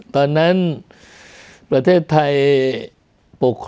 ๒๕๐๕ตอนนั้นประเทศไทยปกฤษ